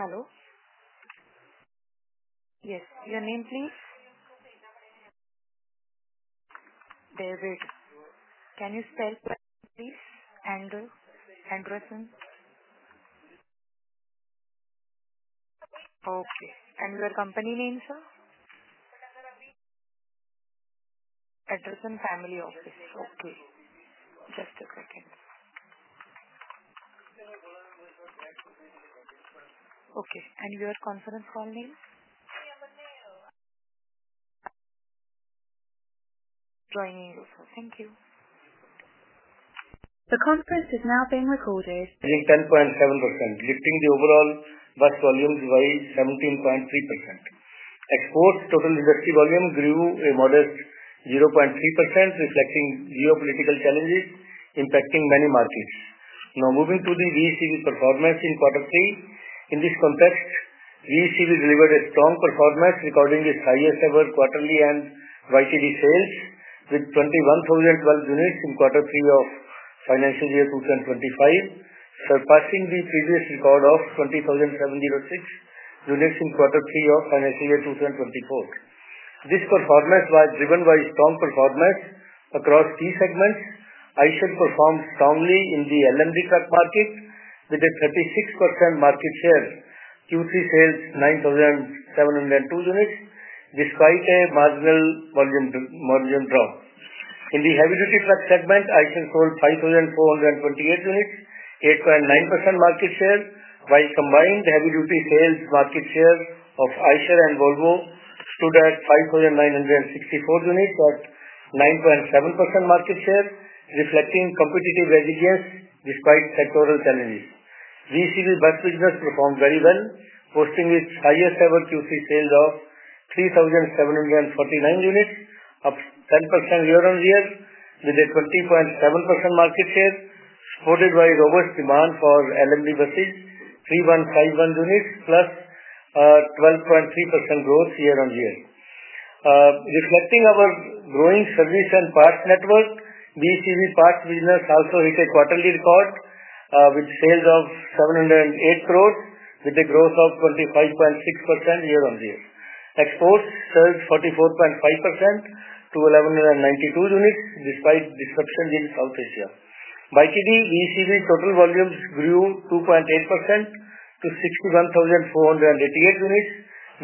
Hello? Yes. Your name, please? David. Can you spell for us, please? And? Yes. Anderson? Okay. And your company name, sir? Anderson. Anderson Family Office. Okay, just a second. Okay. And your conference call name? Joining you. Thank you. The conference is now being recorded. 10.7%, lifting the overall bus volume by 17.3%. Exports, total industry volume grew a modest 0.3%, reflecting geopolitical challenges impacting many markets. Now, moving to the VECV performance in Q3. In this context, VECV delivered a strong performance, recording its highest-ever quarterly and YTD sales, with 21,012 units in Q3 of financial year 2025, surpassing the previous record of 20,706 units in Q3 of financial year 2024. This performance was driven by strong performance across key segments. Eicher performed strongly in the LMD truck market, with a 36% market share. Q3 sales: 9,702 units, despite a marginal volume drop. In the heavy-duty truck segment, Eicher sold 5,428 units, 8.9% market share, while combined heavy-duty sales market share of Eicher and Volvo stood at 5,964 units, at 9.7% market share, reflecting competitive resilience despite sectoral challenges. VECV bus business performed very well, boasting its highest-ever Q3 sales of 3,749 units, up 10% year-on-year, with a 20.7% market share, supported by robust demand for LMD buses, 3,151 units, plus a 12.3% growth year-on-year. Reflecting our growing service and parts network, VECV parts business also hit a quarterly record with sales of 708 crores, with a growth of 25.6% year-on-year. Exports surged 44.5% to 1,192 units, despite disruptions in South Asia. By today, VECV total volumes grew 2.8% to 61,488 units,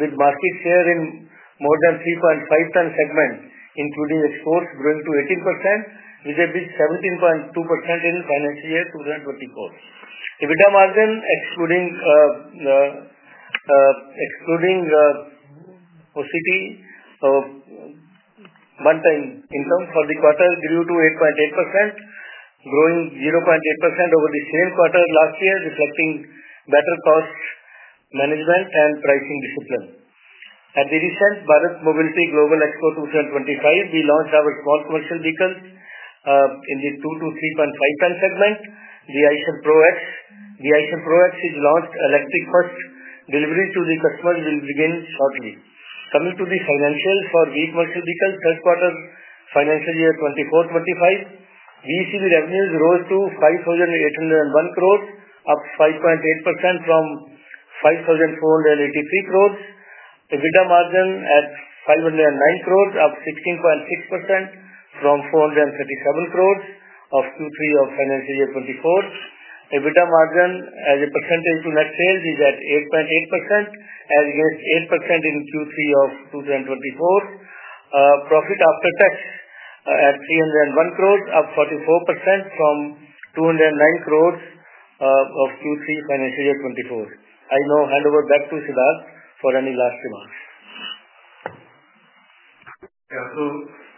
with market share in more than 3.5-ton segment, including exports growing to 18%, with a 17.2% in financial year 2024.EBITDA margin, excluding OCI, one-time income for the quarter grew to 8.8%, growing 0.8% over the same quarter last year, reflecting better cost management and pricing discipline. At the recent Bharat Mobility Global Expo 2025, we launched our small commercial vehicles in the 2 to 3.5 ton segment, the Eicher ProX. The Eicher ProX is launched electric-first. Delivery to the customers will begin shortly. Coming to the financials for VE Commercial Vehicles, Q3 2024-25, VECV revenues rose to 5,801 crores rupees, up 5.8% from 5,483 crores rupees. Vidhya Srinivasan at 509 crores, up 16.6% from 437 crores of Q3 of financial year 2024. Vidhya Srinivasan as a percentage to net sales is at 8.8%, as against 8% in Q3 of 2024. Profit after tax at 301 crores, up 44% from 209 crores of Q3 financial year 2024. I now hand over back to Siddhartha for any last remarks.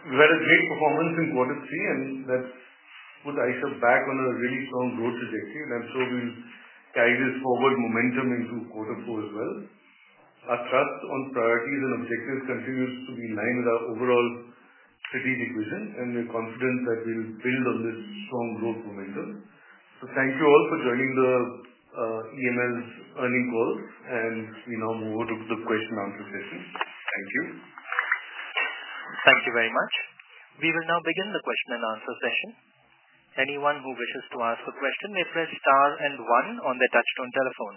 Yeah, so we've had a great performance in Q3, and that's put Eicher back on a really strong growth trajectory. And I'm sure we'll carry this forward momentum into Q4 as well. Our focus on priorities and objectives continues to be in line with our overall strategic vision, and we're confident that we'll build on this strong growth momentum. So thank you all for joining the EML's earnings call, and we now move over to the question-and-answer session. Thank you. Thank you very much. We will now begin the question-and-answer session. Anyone who wishes to ask a question may press star and one on their touch-tone telephone.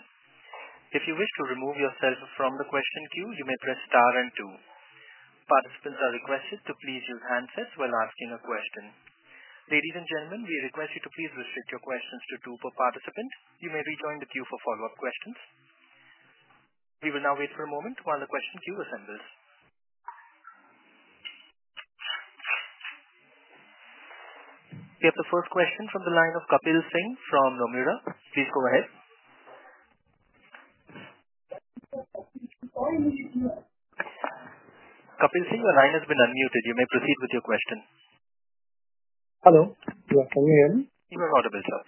If you wish to remove yourself from the question queue, you may press star and two. Participants are requested to please use handsets while asking a question. Ladies and gentlemen, we request you to please restrict your questions to two per participant. You may rejoin the queue for follow-up questions. We will now wait for a moment while the question queue assembles. We have the first question from the line of Kapil Singh from Nomura. Please go ahead. Kapil Singh, your line has been unmuted. You may proceed with your question. Hello. Yeah, can you hear me? You are audible, sir.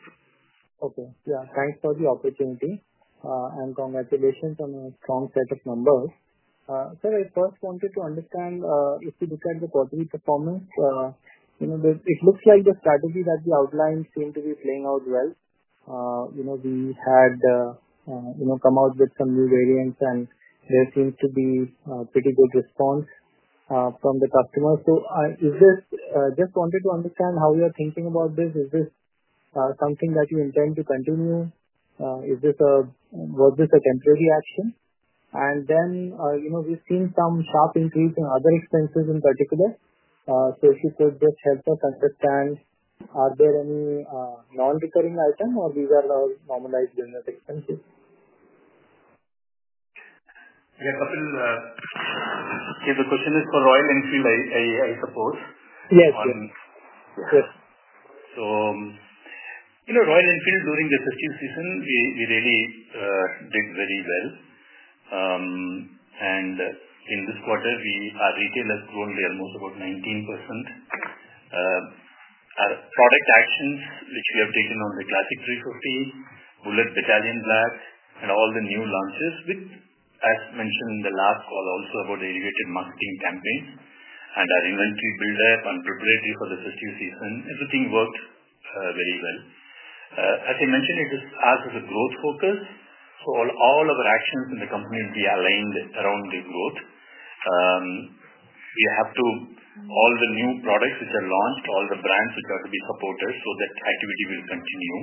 Okay. Yeah. Thanks for the opportunity, and congratulations on a strong set of numbers. So I first wanted to understand, if you look at the quarterly performance, it looks like the strategy that we outlined seemed to be playing out well. We had come out with some new variants, and there seems to be a pretty good response from the customers. So I just wanted to understand how you're thinking about this. Is this something that you intend to continue? Was this a temporary action? And then we've seen some sharp increase in other expenses in particular. So if you could just help us understand, are there any non-recurring items, or these are all normalized business expenses? Yeah, Kapil, yeah, the question is for Royal Enfield, I suppose. Yes. Royal Enfield, during the fiscal season, we really did very well. In this quarter, our retail has grown almost about 19%. Our product actions, which we have taken on the Classic 350, Bullet 350 Battalion Black, and all the new launches, with, as mentioned in the last call, also about the elevated marketing campaigns and our inventory build-up and preparatory for the fiscal season, everything worked very well. As I mentioned, it is us as a growth focus. All of our actions in the company will be aligned around the growth. We have to, all the new products which are launched, all the brands which are to be supported, so that activity will continue.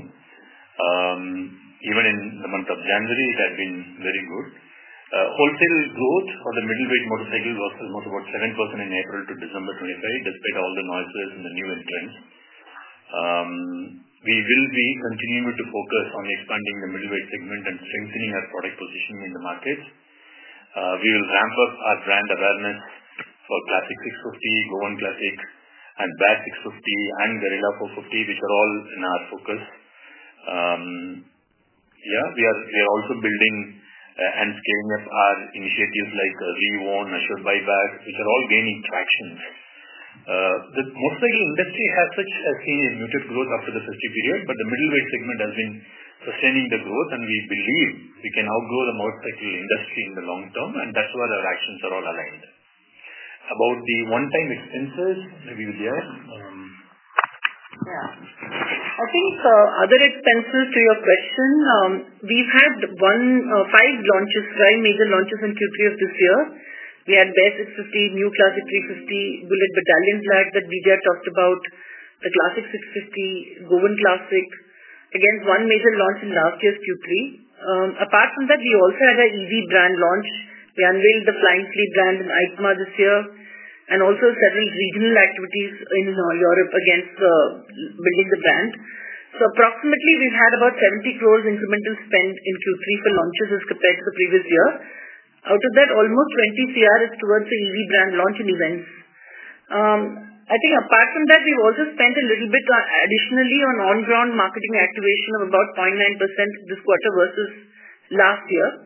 Even in the month of January, it has been very good. Wholesale growth for the middleweight motorcycle was almost about 7% in April to December 2025, despite all the noises and the new entrants. We will be continuing to focus on expanding the middleweight segment and strengthening our product positioning in the markets. We will ramp up our brand awareness for Classic 650, Goan Classic, and Bear 650, and Guerrilla 450, which are all in our focus. Yeah, we are also building and scaling up our initiatives like Reown, Assured Buyback, which are all gaining traction. The motorcycle industry has seen a muted growth after the fiscal period, but the middleweight segment has been sustaining the growth, and we believe we can outgrow the motorcycle industry in the long term, and that's where our actions are all aligned. About the one-time expenses, maybe you're there. Yeah. I think other expenses, to your question, we've had five launches, five major launches in Q3 of this year. We had Bear 650, new Classic 350, Bullet 350 Battalion Black that Vidhya talked about, the Classic 650, Goan Classic, against one major launch in last year's Q3. Apart from that, we also had an EV brand launch. We unveiled the Flying Flea brand in EICMA this year and also several regional activities in Europe against building the brand. So approximately, we've had about 70 crores incremental spend in Q3 for launches as compared to the previous year. Out of that, almost 20 crores is towards the EV brand launch and events. I think apart from that, we've also spent a little bit additionally on on-ground marketing activation of about 0.9% this quarter versus last year.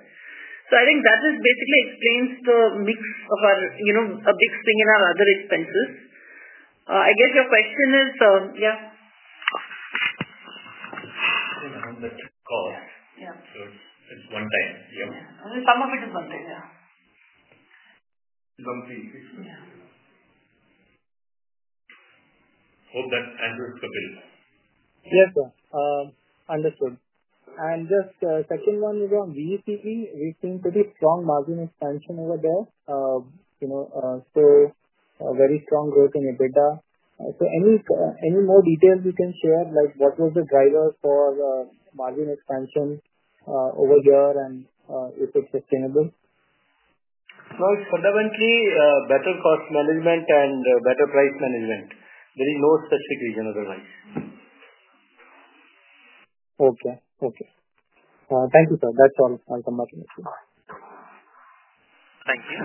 So I think that basically explains the mix of our big swing in our other expenses. I guess your question is, yeah? I think I have that call. Yeah. So it's one time. Yeah. Yeah. Some of it is one time. Yeah. Something. Hope that answers Kapil. Yes, sir. Understood. And just second one is on VECV. We've seen pretty strong margin expansion over there. So very strong growth in EBITDA. So any more details you can share, like what was the driver for margin expansion over here and if it's sustainable? Fundamentally, better cost management and better price management. There is no specific reason otherwise. Okay. Okay. Thank you, sir. That's all. I'll come back next week. Thank you.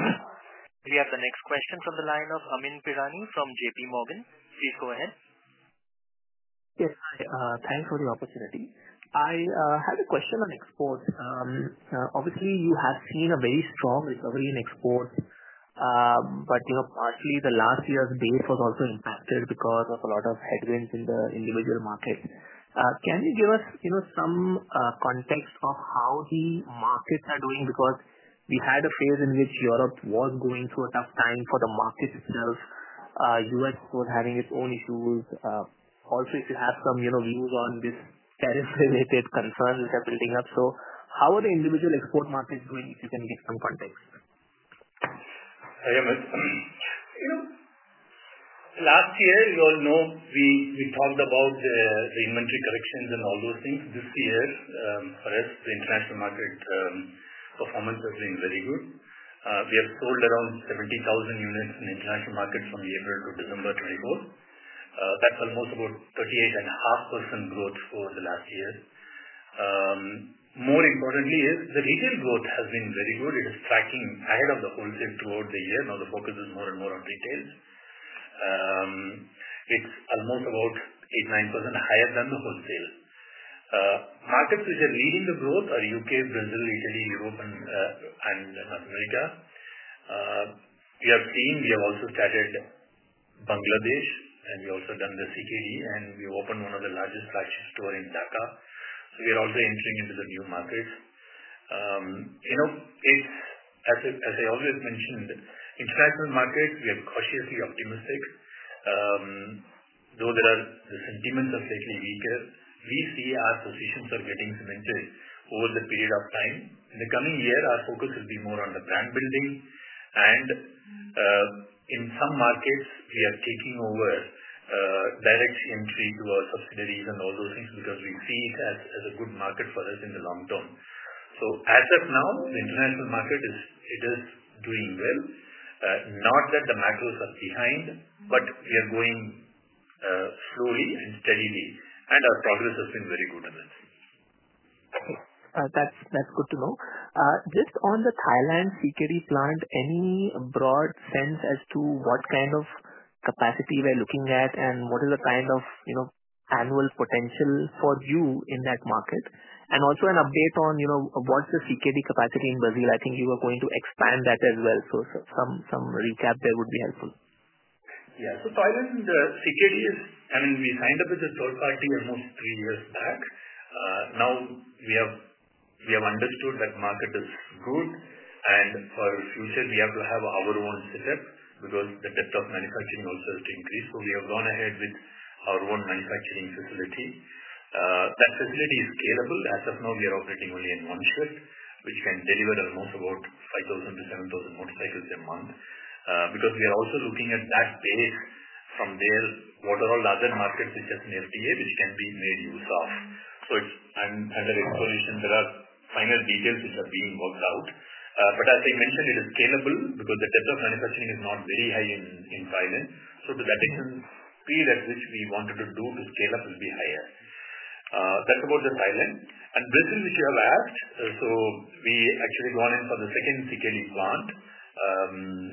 We have the next question from the line of Amyn Pirani from JPMorgan. Please go ahead. Yes. Hi. Thanks for the opportunity. I have a question on exports. Obviously, you have seen a very strong recovery in exports, but partially the last year's base was also impacted because of a lot of headwinds in the individual markets. Can you give us some context of how the markets are doing? Because we had a phase in which Europe was going through a tough time for the markets itself. The U.S. was having its own issues. Also, if you have some views on these tariff-related concerns which are building up. So how are the individual export markets doing if you can give some context? Hi Amyn. Last year, you all know, we talked about the inventory corrections and all those things. This year, for us, the international market performance has been very good. We have sold around 70,000 units in the international market from April to December 2024. That's almost about 38.5% growth for the last year. More importantly, the retail growth has been very good. It is tracking ahead of the wholesale throughout the year. Now, the focus is more and more on retail. It's almost about 8-9% higher than the wholesale. Markets which are leading the growth are U.K., Brazil, Italy, Europe, and North America. We have seen we have also started Bangladesh, and we also done the CKD, and we have opened one of the largest flagship stores in Dhaka. So we are also entering into the new markets. As I always mentioned, international markets, we are cautiously optimistic. Though the sentiments are slightly weaker, we see our positions are getting cemented over the period of time. In the coming year, our focus will be more on the brand building. And in some markets, we are taking over direct entry to our subsidiaries and all those things because we see it as a good market for us in the long term. So as of now, the international market is doing well. Not that the macros are behind, but we are going slowly and steadily, and our progress has been very good in that. Okay. That's good to know. Just on the Thailand CKD plant, any broad sense as to what kind of capacity we're looking at and what is the kind of annual potential for you in that market? And also an update on what's the CKD capacity in Brazil? I think you are going to expand that as well. So some recap there would be helpful. Yeah. So, Thailand, the CKD is, I mean, we signed up as a third party almost three years back. Now, we have understood that the market is good, and for future, we have to have our own setup because the depth of manufacturing also has to increase. So we have gone ahead with our own manufacturing facility. That facility is scalable. As of now, we are operating only in one shift, which can deliver almost about 5,000-7,000 motorcycles a month. Because we are also looking at that base from there, what are all other markets which are in FTA, which can be made use of. So I'm under exploration. There are final details which are being worked out. But as I mentioned, it is scalable because the depth of manufacturing is not very high in Thailand. So to that extent, the speed at which we wanted to do to scale up will be higher. That's about Thailand. And Brazil, which you have asked, so we actually gone in for the second CKD plant,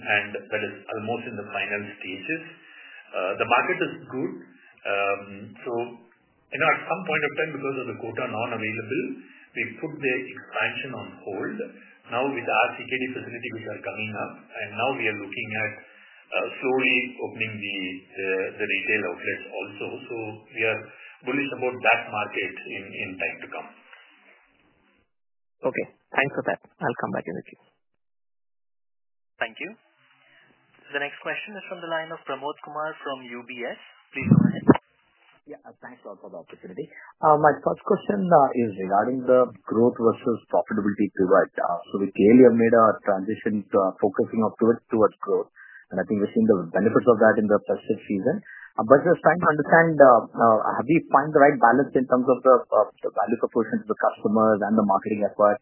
and that is almost in the final stages. The market is good. So at some point of time, because of the quota not available, we put the expansion on hold. Now, with our CKD facility which are coming up, and now we are looking at slowly opening the retail outlets also. So we are bullish about that market in time to come. Okay. Thanks for that. I'll come back in a few. Thank you. The next question is from the line of Pramod Kumar from UBS. Please go ahead. Yeah. Thanks a lot for the opportunity. My first question is regarding the growth versus profitability pivot, so we clearly have made a transition focusing up to it towards growth, and I think we've seen the benefits of that in the festive season, but just trying to understand, have we found the right balance in terms of the value proposition to the customers and the marketing effort,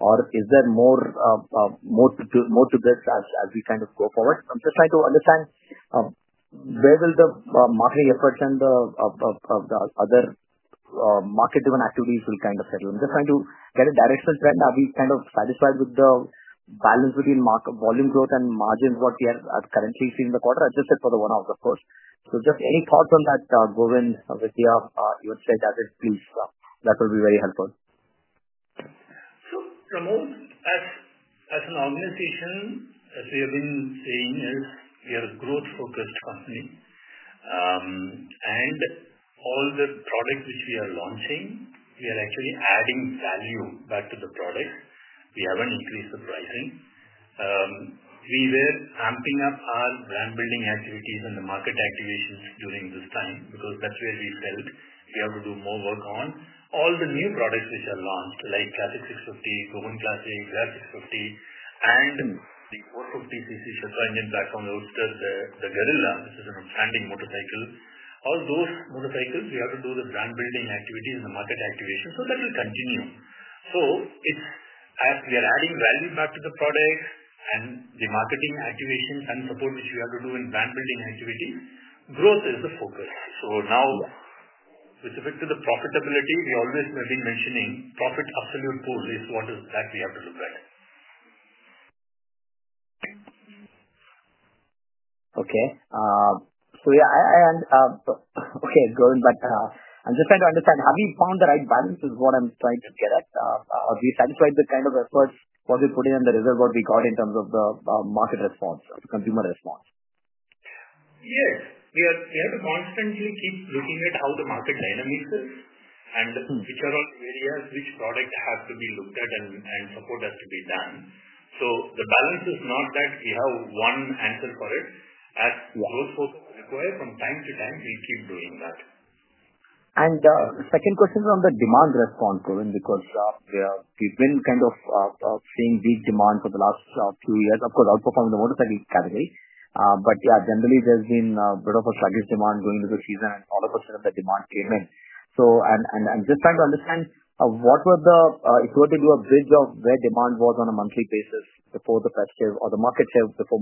or is there more to this as we kind of go forward? I'm just trying to understand where will the marketing efforts and the other market-driven activities kind of settle? I'm just trying to get a directional trend. Are we kind of satisfied with the balance between volume growth and margins what we are currently seeing in the quarter? So, just any thoughts on that, Govind, Vidhya? You would say that it, please. That will be very helpful. Pramod, as an organization, as we have been saying, we are a growth-focused company. All the products which we are launching, we are actually adding value back to the products. We haven't increased the pricing. We were amping up our brand-building activities and the market activations during this time because that's where we felt we have to do more work on. All the new products which are launched, like Classic 650, Goan Classic, Bear 650, and the 450cc Sherpa engine platform roadster, the Guerrilla, which is an outstanding motorcycle, all those motorcycles, we have to do the brand-building activities and the market activation. That will continue. As we are adding value back to the product and the marketing activations and support which we have to do in brand-building activities, growth is the focus. Now, with respect to the profitability, we always have been mentioning profit, absolute value is what, that we have to look at. Okay. So yeah, I am okay, Govindarajan, but I'm just trying to understand, have we found the right balance is what I'm trying to get at? Are we satisfied with the kind of efforts, what we put in, and the response we got in terms of the market response, consumer response? Yes. We have to constantly keep looking at how the market dynamics is and which are all areas which product has to be looked at and support has to be done. So the balance is not that we have one answer for it. As growth requires, from time to time, we'll keep doing that. And second question is on the demand response, Govind, because we've been kind of seeing big demand for the last few years, of course, outperforming the motorcycle category. But yeah, generally, there's been a bit of a sluggish demand going into the season, and all of a sudden, the demand came in. So I'm just trying to understand what were the if you were to do a bridge of where demand was on a monthly basis before the festive or the market share before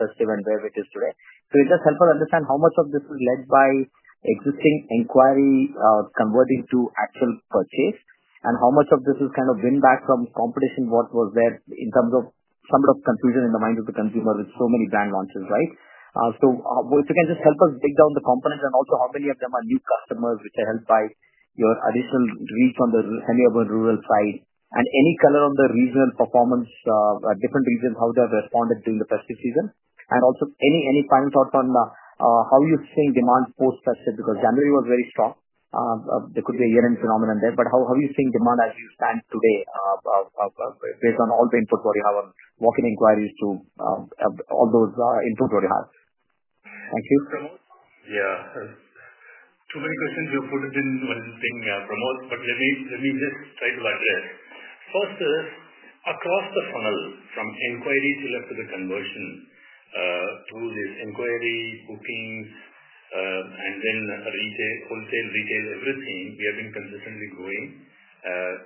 festive and where it is today. So it just helps us understand how much of this is led by existing inquiry converting to actual purchase and how much of this is kind of win back from competition, what was there in terms of somewhat of confusion in the mind of the consumer with so many brand launches, right? So if you can just help us break down the components and also how many of them are new customers which are helped by your additional reach on the semi-urban rural side and any color on the regional performance, different regions, how they have responded during the festive season, and also any final thoughts on how you're seeing demand post-festive because January was very strong? There could be a year-end phenomenon there, but how are you seeing demand as you stand today based on all the inputs what you have on walk-in inquiries? Thank you. Yeah. Too many questions you've put it in one thing, Pramod, but let me just try to address. First is across the funnel from inquiry to lead to the conversion through this inquiry, bookings, and then retail, wholesale, retail, everything, we have been consistently growing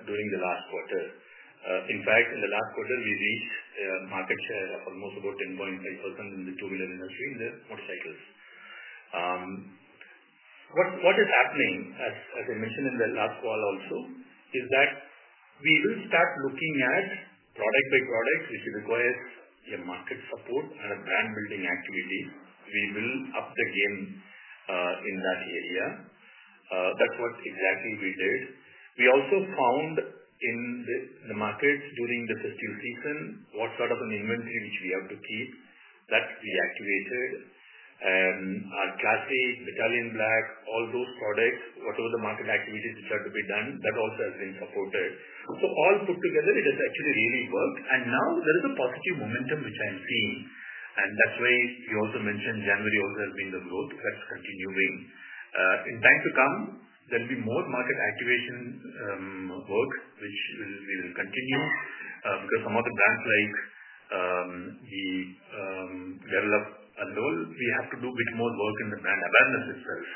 during the last quarter. In fact, in the last quarter, we reached a market share of almost about 10.5% in the two-wheeler industry in the motorcycles. What is happening, as I mentioned in the last call also, is that we will start looking at product by product which requires market support and a brand-building activity. We will up the game in that area. That's what exactly we did. We also found in the market during the festive season what sort of an inventory which we have to keep that we activated. And our classic, Italian black, all those products, whatever the market activities which are to be done, that also has been supported. So all put together, it has actually really worked. And now there is a positive momentum which I'm seeing. And that's why you also mentioned January also has been the growth that's continuing. In time to come, there will be more market activation work which we will continue because some of the brands like the developed level, we have to do a bit more work in the brand awareness itself.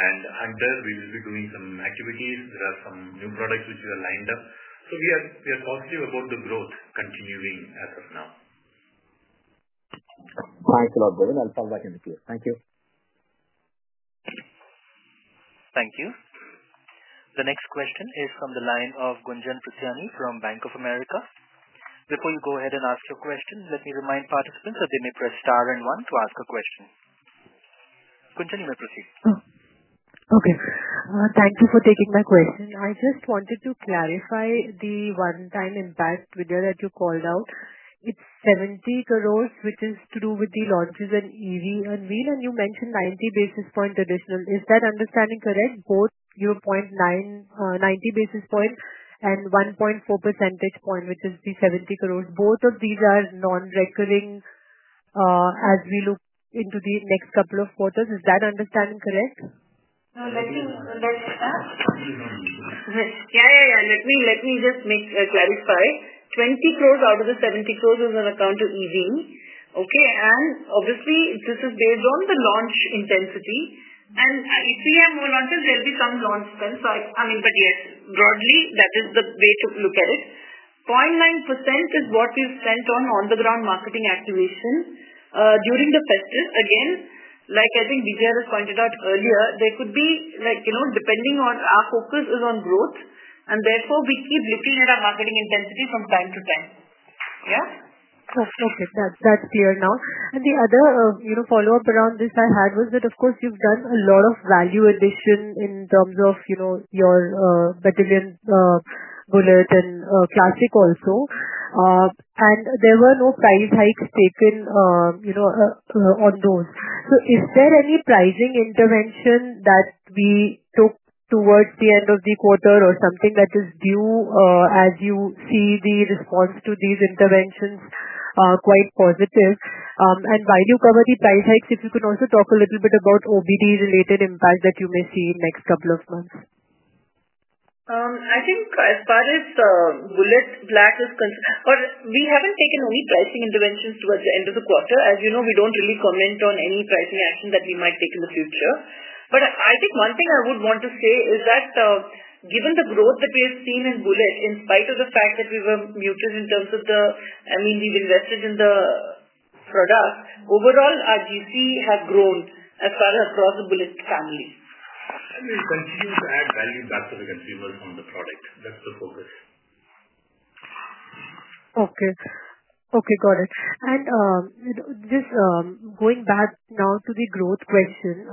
And under there, we will be doing some activities. There are some new products which we have lined up. So we are positive about the growth continuing as of now. Thanks a lot, Govind. I'll come back in a few. Thank you. Thank you. The next question is from the line of Gunjan Prithyani from Bank of America. Before you go ahead and ask your question, let me remind participants that they may press star and one to ask a question. Gunjan, you may proceed. Okay. Thank you for taking my question. I just wanted to clarify the one-time impact, Vidya, that you called out. It's 70 crores, which is to do with the launches and EV and VECV, and you mentioned 90 basis points additional. Is that understanding correct? Both your 0.90 basis point and 1.4 percentage point, which is the 70 crores, both of these are non-recurring as we look into the next couple of quarters. Is that understanding correct? No, let me ask. Yeah, yeah, yeah. Let me just clarify. 20 crore out of the 70 crore is allocated to EV. Okay. And obviously, this is based on the launch intensity. And if we have more launches, there will be some launch spend. So I mean, but yes, broadly, that is the way to look at it. 0.9% is what we've spent on on-the-ground marketing activation during the festive season. Like I think Vidhya has pointed out earlier, there could be, depending on our focus, which is on growth, and therefore, we keep looking at our marketing intensity from time to time. Yeah? Okay. That's clear now. And the other follow-up around this I had was that, of course, you've done a lot of value addition in terms of your Battalion Bullet and Classic also. And there were no price hikes taken on those. So is there any pricing intervention that we took towards the end of the quarter or something that is due as you see the response to these interventions quite positive? And while you cover the price hikes, if you can also talk a little bit about OBD-related impact that you may see in the next couple of months. I think as far as Bullet Black is concerned, we haven't taken any pricing interventions towards the end of the quarter. As you know, we don't really comment on any pricing action that we might take in the future. But I think one thing I would want to say is that given the growth that we have seen in Bullet, in spite of the fact that we were muted in terms of the I mean, we've invested in the product, overall, our GC has grown as far as across the Bullet family. We continue to add value back to the consumers on the product. That's the focus. Okay. Okay. Got it. And just going back now to the growth question,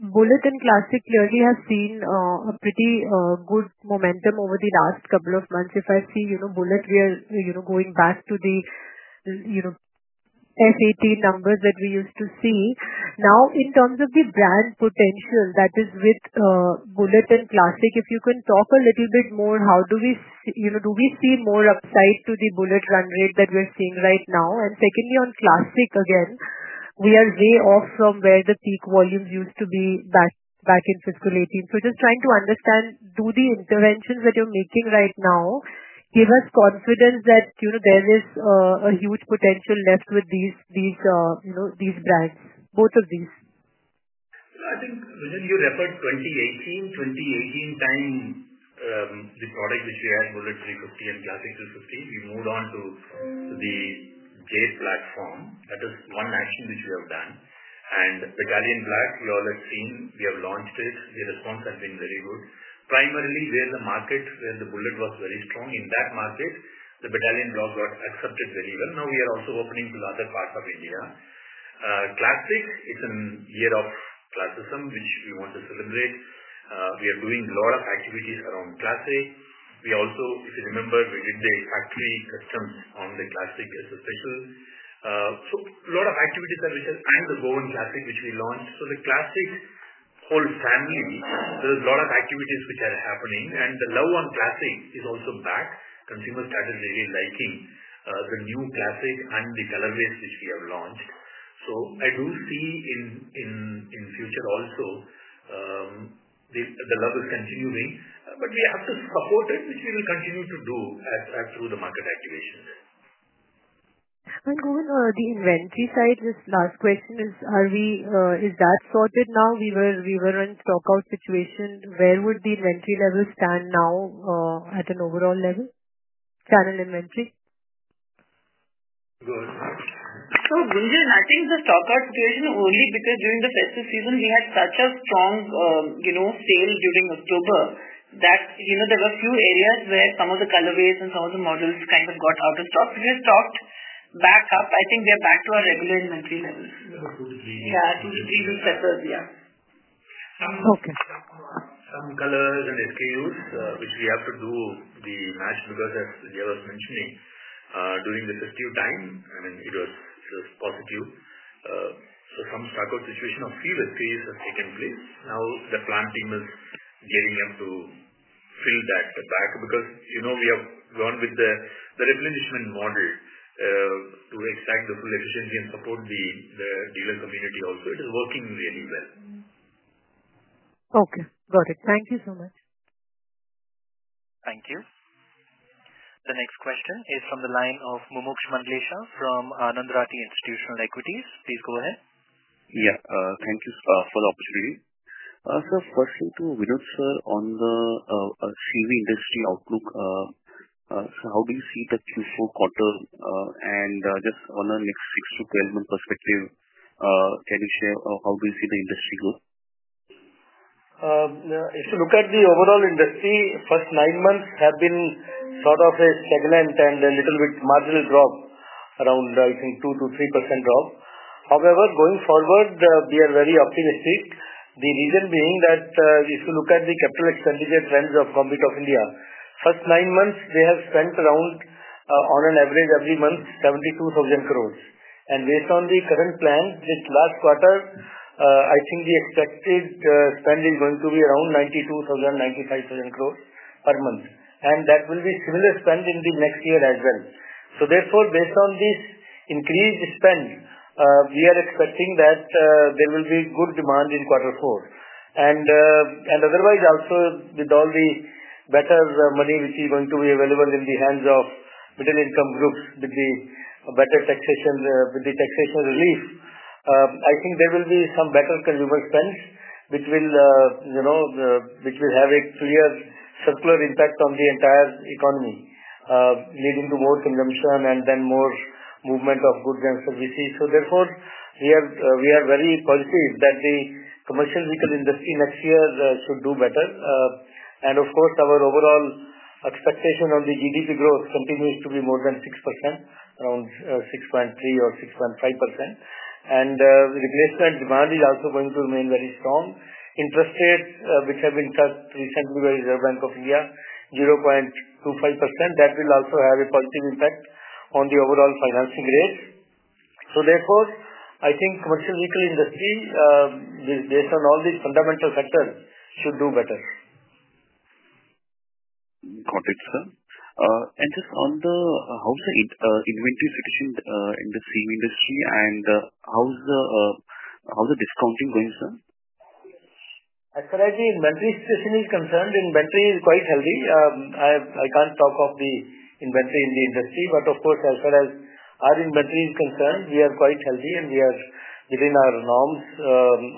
Bullet and Classic clearly have seen a pretty good momentum over the last couple of months. If I see Bullet, we are going back to the FAT numbers that we used to see. Now, in terms of the brand potential that is with Bullet and Classic, if you can talk a little bit more, how do we see, do we see more upside to the Bullet run rate that we're seeing right now? And secondly, on Classic again, we are way off from where the peak volumes used to be back in fiscal 2018. So just trying to understand, do the interventions that you're making right now give us confidence that there is a huge potential left with these brands, both of these? I think, Gunjan, you referred 2018. 2018 time, the product which we had, Bullet 350 and Classic 250, we moved on to the J platform. That is one action which we have done. And Battalion Black, we all have seen. We have launched it. The response has been very good. Primarily, where the market, where the Bullet was very strong in that market, the Battalion Black got accepted very well. Now, we are also opening to other parts of India. Classic, it's a year of classics, which we want to celebrate. We are doing a lot of activities around Classic. We also, if you remember, we did the factory customs on the Classic as a special. So a lot of activities are which are and the Goan Classic which we launched. So the Classic whole family, there is a lot of activities which are happening. The love on Classic is also back. Consumers started really liking the new Classic and the colorways which we have launched. I do see in future also, the love is continuing, but we have to support it, which we will continue to do through the market activations. Govindarajan, the inventory side, this last question is, is that sorted now? We were in stockout situation. Where would the inventory level stand now at an overall level? Channel inventory? So Gunjan, I think the stockout situation only because during the festive season, we had such a strong sale during October that there were a few areas where some of the colorways and some of the models kind of got out of stock. We have stocked back up. I think we are back to our regular inventory level. Yeah, two to three weeks after, yeah. Some colors and SKUs which we have to do the match because, as Vidhya was mentioning, during the festive time, I mean, it was positive. So some stockout situation of few SKUs has taken place. Now, the plant team is gearing up to fill that back because we have gone with the replenishment model to extend the full efficiency and support the dealer community also. It is working really well. Okay. Got it. Thank you so much. Thank you. The next question is from the line of Mumuksh Mandlesha from Anand Rathi Institutional Equities. Please go ahead. Yeah. Thank you for the opportunity. So firstly, to Vinod sir on the CV industry outlook, so how do you see the Q4 quarter? And just on a next six to 12-month perspective, can you share how do you see the industry growth? If you look at the overall industry, first nine months have been sort of a stagnant and a little bit marginal drop around, I think, 2%-3% drop. However, going forward, we are very optimistic. The reason being that if you look at the capital expenditure trends of Government of India, first nine months, they have spent around, on an average, every month, 72,000 crores. And based on the current plan, this last quarter, I think the expected spend is going to be around 92,000-95,000 crores per month. And that will be similar spend in the next year as well. So therefore, based on this increased spend, we are expecting that there will be good demand in quarter four. And otherwise, also with all the better money which is going to be available in the hands of middle-income groups with the better taxation relief, I think there will be some better consumer spends which will have a clear circular impact on the entire economy, leading to more consumption and then more movement of goods and services. So therefore, we are very positive that the commercial vehicle industry next year should do better. And of course, our overall expectation on the GDP growth continues to be more than 6%, around 6.3% or 6.5%. And replacement demand is also going to remain very strong. Interest rates which have been cut recently by Reserve Bank of India, 0.25%, that will also have a positive impact on the overall financing rates. So therefore, I think commercial vehicle industry, based on all these fundamental factors, should do better. Got it, sir. And just on how's the inventory situation in the CV industry and how's the discounting going, sir? As far as the inventory situation is concerned, inventory is quite healthy. I can't talk of the inventory in the industry, but of course, as far as our inventory is concerned, we are quite healthy and we are within our norms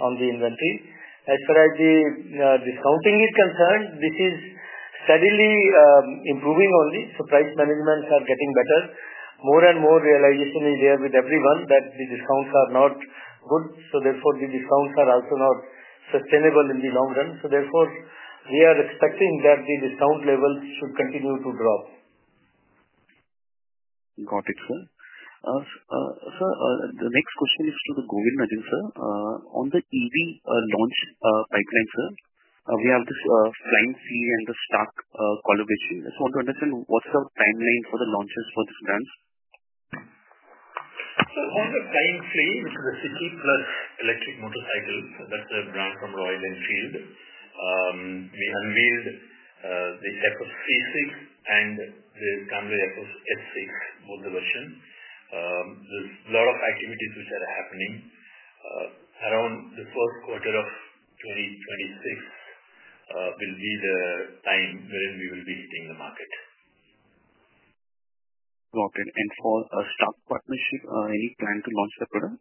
on the inventory. As far as the discounting is concerned, this is steadily improving only. So price managements are getting better. More and more realization is there with everyone that the discounts are not good. So therefore, the discounts are also not sustainable in the long run. So therefore, we are expecting that the discount levels should continue to drop. Got it, sir. Sir, the next question is to the Govindarajan, I think, sir. On the EV launch pipeline, sir, we have this Flying Flea and the Stark collaboration. I just want to understand what's the timeline for the launches for these brands? On the Flying Flea, which is a city plus electric motorcycle, that's a brand from Royal Enfield. We unveiled the C6 and the Scram S6, both versions. There's a lot of activities which are happening. Around the first quarter of 2026 will be the time when we will be hitting the market. Got it. And for a Stark partnership, any plan to launch the product?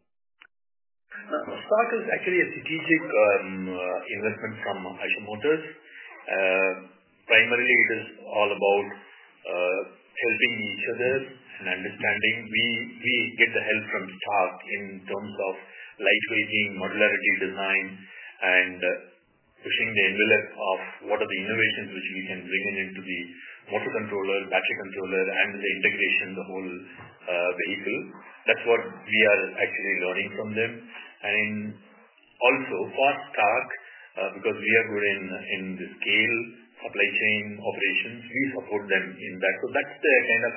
Stark is actually a strategic investment from Eicher Motors. Primarily, it is all about helping each other and understanding. We get the help from Stark in terms of lightweighting, modularity design, and pushing the envelope of what are the innovations which we can bring in into the motor controller, battery controller, and the integration, the whole vehicle. That's what we are actually learning from them. And also, for Stark, because we are good in the scale supply chain operations, we support them in that. So that's the kind of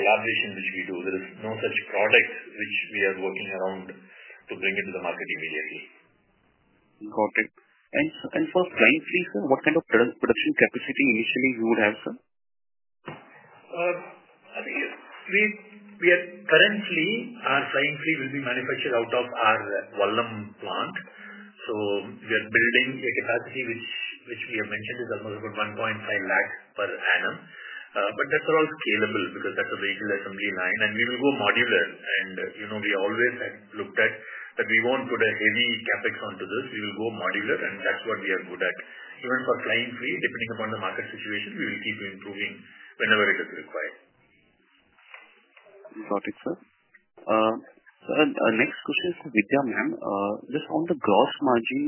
collaboration which we do. There is no such product which we are working around to bring it to the market immediately. Got it. For Flying Flea, sir, what kind of production capacity initially you would have, sir? I think we are currently, our Flying Flea will be manufactured out of our Vallam Vadagal plant. So we are building a capacity which we have mentioned is almost about 1.5 lakh per annum. But that's all scalable because that's a vehicle assembly line. And we will go modular. And we always had looked at that we won't put a heavy CapEx onto this. We will go modular, and that's what we are good at. Even for Flying Flea, depending upon the market situation, we will keep improving whenever it is required. Got it, sir. So next question is to Vidhya ma'am. Just on the gross margin,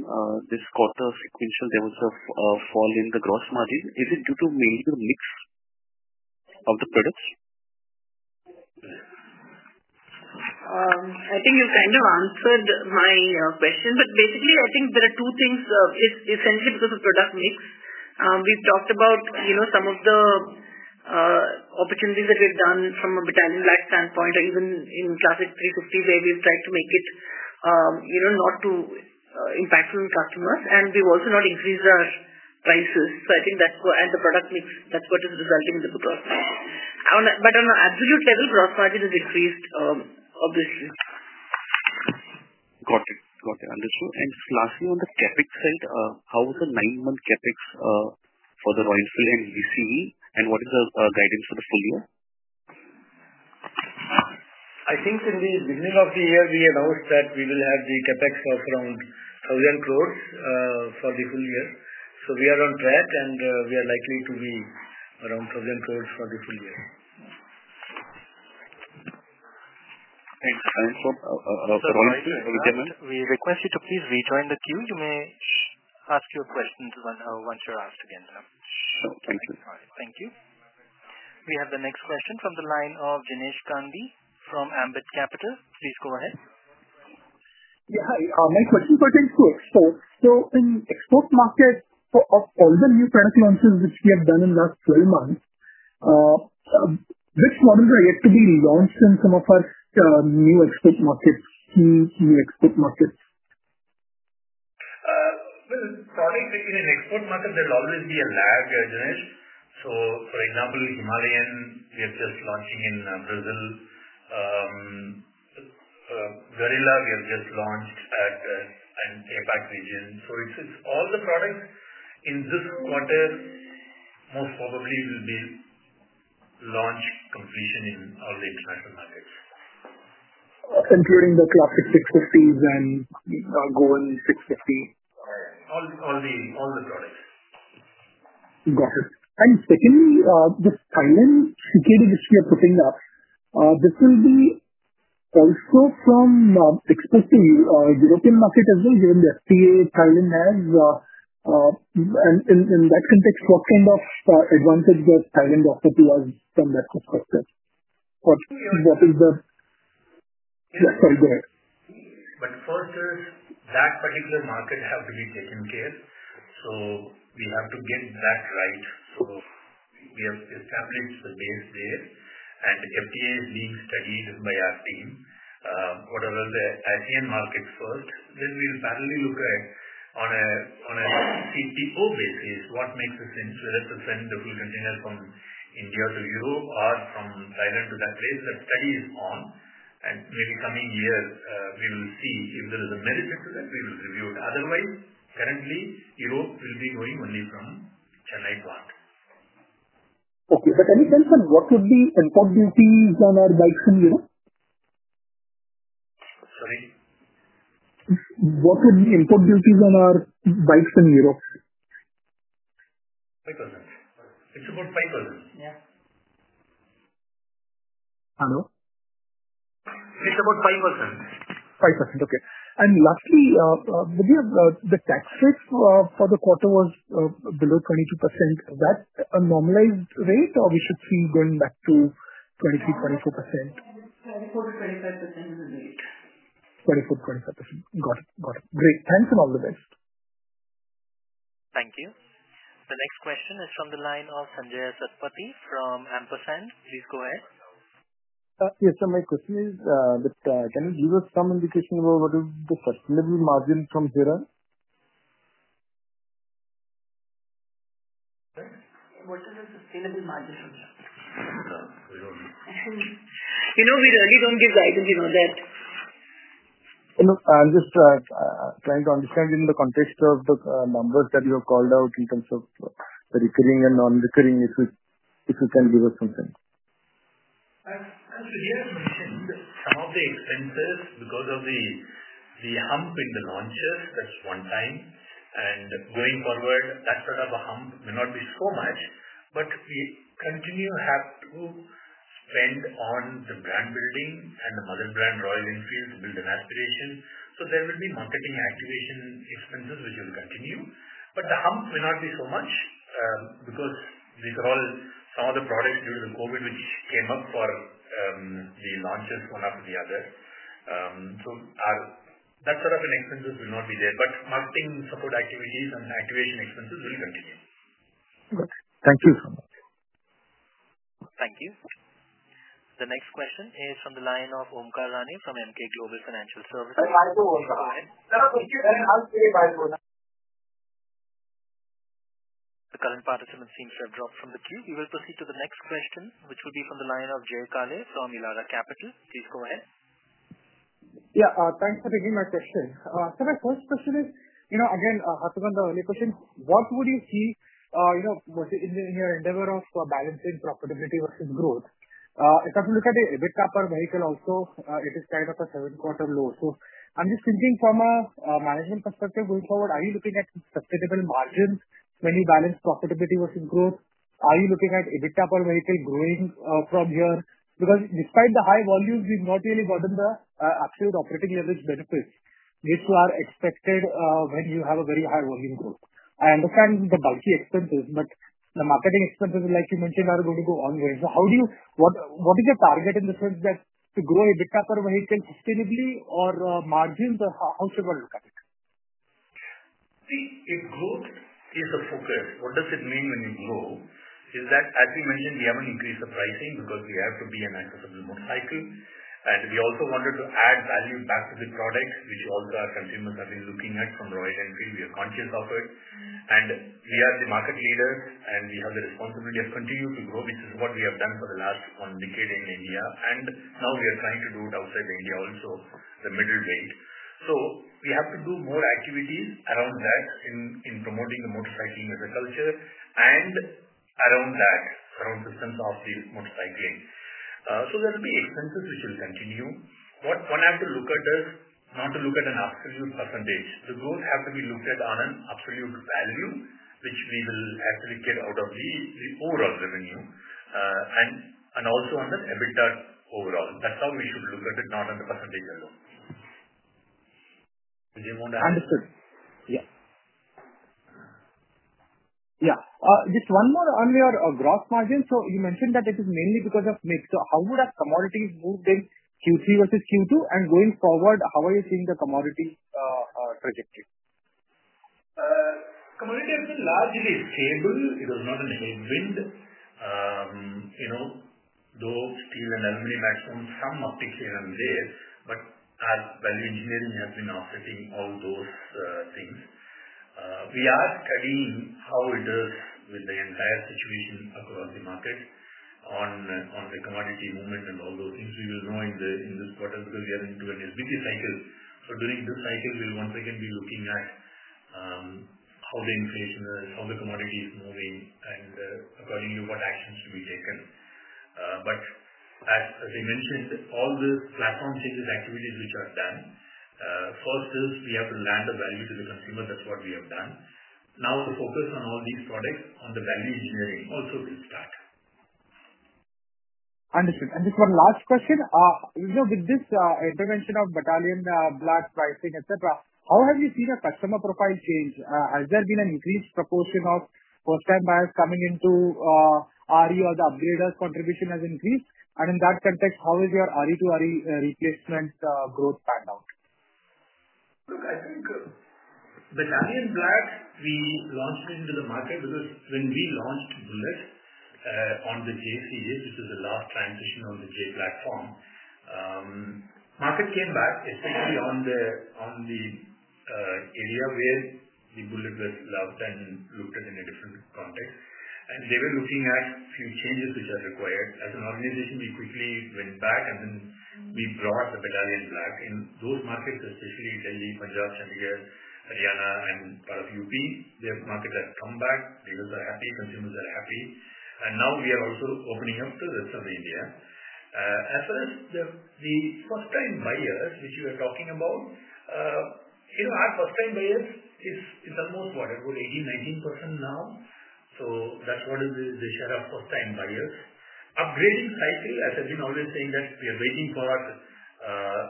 this quarter sequential, there was a fall in the gross margin. Is it due to mainly the mix of the products? I think you've kind of answered my question, but basically, I think there are two things. It's essentially because of product mix. We've talked about some of the opportunities that we've done from a Battalion Black standpoint, or even in Classic 350, where we've tried to make it not too impactful on customers. And we've also not increased our prices. So I think that's why the product mix, that's what is resulting in the gross margin. But on an absolute level, gross margin has increased, obviously. Got it. Got it. Understood. Lastly, on the CapEx side, how was the nine-month CapEx for the Royal Enfield and VECV, and what is the guidance for the full year? I think in the beginning of the year, we announced that we will have the CapEx of around 1,000 crores for the full year, so we are on track, and we are likely to be around 1,000 crores for the full year. Thanks. And for Rolands, Vidhya ma'am? We request you to please rejoin the queue. You may ask your questions once you're asked again, sir. Sure. Thank you. All right. Thank you. We have the next question from the line of Jinesh Gandhi from Ambit Capital. Please go ahead. Yeah. My question for you is for exports. So in export market, of all the new product launches which we have done in the last 12 months, which models are yet to be launched in some of our new export markets, key new export markets? Well, products in an export market, there will always be a lag, Ganesh. So for example, Himalayan, we are just launching in Brazil. Guerrilla, we have just launched at an APAC region. So it's all the products in this quarter most probably will be launch completion in all the international markets. Including the Classic 650s and Goan 650? All the products. Got it. And secondly, this Thailand CKD which we are putting up, this will be also from export to European market as well, given the FTA Thailand has. And in that context, what kind of advantage does Thailand offer to us from that perspective? What is the, sorry, go ahead. But first, that particular market has to be taken care of. So we have to get that right. So we have established the base there, and FTA is being studied by our team. Whatever the ASEAN markets first, then we'll finally look at on a TCO basis, what makes sense to represent the full container from India to Europe or from Thailand to that place. That study is on. And maybe coming year, we will see if there is a merit to that, we will review it. Otherwise, currently, Europe will be going only from Chennai plant. Okay, but any sense on what would be import duties on our bikes in Europe? Sorry? What would be import duties on our bikes in Europe? 5%. It's about 5%. Yeah. Hello? It's about 5%. 5%. Okay. And lastly, the tax rate for the quarter was below 22%. Is that a normalized rate, or we should see going back to 23%-24%? 24%-25% is the rate. 24%-25%. Got it. Got it. Great. Thanks and all the best. Thank you. The next question is from the line of Sanjaya Satapathy from Ampersand. Please go ahead. Yes, sir. My question is that can you give us some indication about what is the sustainable margin from here on? What is the sustainable margin from here? We really don't give guidance on that. I'm just trying to understand in the context of the numbers that you have called out in terms of the recurring and non-recurring, if you can give us something. As Vidhya mentioned, some of the expenses because of the hump in the launches, that's one time, and going forward, that sort of a hump will not be so much, but we continue to have to spend on the brand building and the mother brand, Royal Enfield, to build an aspiration, so there will be marketing activation expenses which will continue, but the hump will not be so much because these are all some of the products due to the COVID which came up for the launches one after the other, so that sort of an expenses will not be there, but marketing support activities and activation expenses will continue. Got it. Thank you so much. Thank you. The next question is from the line of Omkar Kamtekar from Emkay Global Financial Services. The current participants seem to have dropped from the queue. We will proceed to the next question, which will be from the line of Jay Kale from Elara Capital. Please go ahead. Yeah. Thanks for taking my question. So my first question is, again, harping, the earlier question, what would you see in your endeavor of balancing profitability versus growth? If I look at the EBITDA per vehicle also, it is kind of a seven-quarter low. So I'm just thinking from a management perspective going forward, are you looking at sustainable margins when you balance profitability versus growth? Are you looking at EBITDA per vehicle growing from here? Because despite the high volumes, we've not really gotten the absolute operating leverage benefits which are expected when you have a very high volume growth. I understand the lumpy expenses, but the marketing expenses, like you mentioned, are going to go ongoing. So what is your target in the sense that to grow EBITDA per vehicle sustainably or margins, or how should one look at it? See, if growth is the focus, what does it mean when you grow? Is that, as we mentioned, we haven't increased the pricing because we have to be an accessible motorcycle, and we also wanted to add value back to the product, which also our consumers have been looking at from Royal Enfield. We are conscious of it, and we are the market leaders, and we have the responsibility of continuing to grow, which is what we have done for the last one decade in India, and now we are trying to do it outside India also, the middle weight, so we have to do more activities around that in promoting the motorcycling as a culture and around that, around systems of the motorcycling, so there will be expenses which will continue. What one has to look at is not to look at an absolute percentage. The growth has to be looked at on an absolute value, which we will actually get out of the overall revenue, and also on the EBITDA overall. That's how we should look at it, not on the percentage alone. Understood. Yeah. Yeah. Just one more on your gross margin. So you mentioned that it is mainly because of mix. So how would commodities move in Q3 versus Q2? And going forward, how are you seeing the commodity trajectory? Commodity has been largely stable. It was not a headwind. Though steel and aluminum had some upticks here and there, but as value engineering has been offsetting all those things, we are studying how it is with the entire situation across the market on the commodity movement and all those things. We will know in this quarter because we are into an SBP cycle. So during this cycle, we'll once again be looking at how the inflation is, how the commodity is moving, and accordingly, what actions to be taken. But as I mentioned, all the platform changes activities which are done, first is we have to land the value to the consumer. That's what we have done. Now the focus on all these products, on the value engineering also will start. Understood. And just one last question. With this intervention of Battalion Black pricing, etc., how have you seen your customer profile change? Has there been an increased proportion of first-time buyers coming into RE or the upgraders' contribution has increased? And in that context, how is your RE to RE replacement growth panned out? Look, I think Battalion Black, we launched into the market because when we launched Bullet on the J, which was the last transition on the J platform, market came back, especially on the area where the Bullet was loved and looked at in a different context. And they were looking at a few changes which are required. As an organization, we quickly went back, and then we brought the Battalion Black. In those markets, especially Delhi, Punjab, Chandigarh, Haryana, and part of UP, their market has come back. Dealers are happy. Consumers are happy. And now we are also opening up to the rest of India. As far as the first-time buyers which you are talking about, our first-time buyers is almost what? About 18-19% now. So that's what is the share of first-time buyers. Upgrading cycle, as I've been always saying, that we are waiting for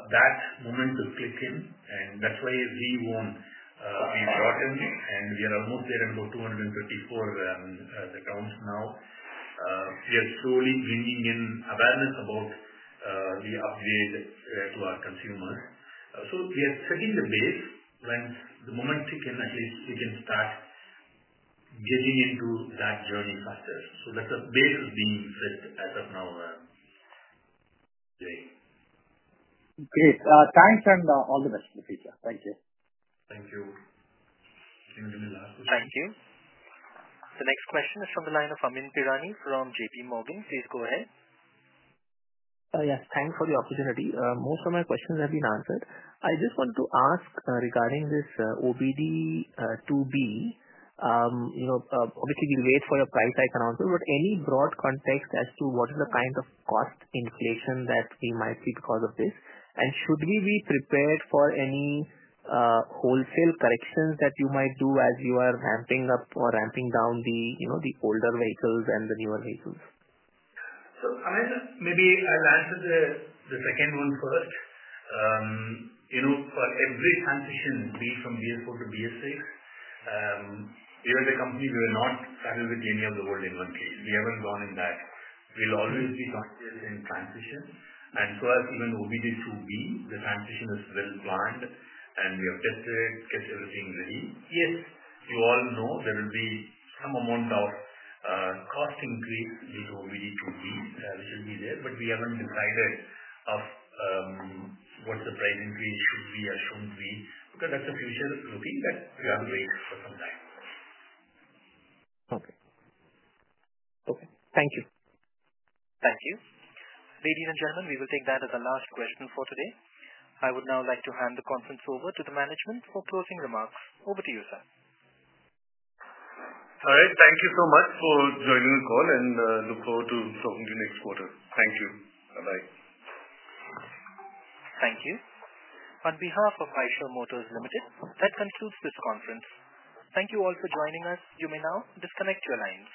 that moment to click in, and that's why we won. We brought in, and we are almost there at about 234 accounts now. We are slowly bringing in awareness about the upgrade to our consumers, so we are setting the base when the moment ticking, at least we can start getting into that journey faster, so that's a base is being set as of now. Great. Thanks and all the best in the future. Thank you. Thank you. Can you give me the last question? Thank you. The next question is from the line of Amyn Pirani from JPMorgan. Please go ahead. Yes. Thanks for the opportunity. Most of my questions have been answered. I just want to ask regarding this OBD-2B. Obviously, we wait for your price hike announcement, but any broad context as to what is the kind of cost inflation that we might see because of this? And should we be prepared for any wholesale corrections that you might do as you are ramping up or ramping down the older vehicles and the newer vehicles? So maybe I'll answer the second one first. For every transition, be it from BS4 to BS6, we are the company. We are not saddled with any of the old inventories. We haven't gone in that. We'll always be conscious in transition. And so as even OBD-2B, the transition is well planned, and we have tested it, kept everything ready. Yes, you all know there will be some amount of cost increase due to OBD-2B, which will be there, but we haven't decided what the price increase should be or shouldn't be because that's a future looking that we have to wait for some time. Okay. Okay. Thank you. Thank you. Ladies and gentlemen, we will take that as a last question for today. I would now like to hand the conference over to the management for closing remarks. Over to you, sir. All right. Thank you so much for joining the call, and look forward to talking to you next quarter. Thank you. Bye-bye. Thank you. On behalf of Eicher Motors Limited, that concludes this conference. Thank you all for joining us. You may now disconnect your lines.